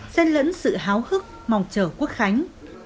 xen lẫn sự háo hức mong chờ quốc khánh